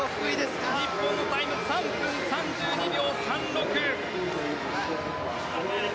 日本のタイムは３分３２秒３６。